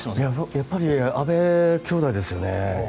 やっぱり阿部兄妹ですよね。